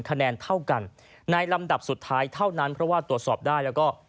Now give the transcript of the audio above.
คะแนนเท่ากันในลำดับสุดท้ายเท่านั้นเพราะว่าตรวจสอบได้แล้วก็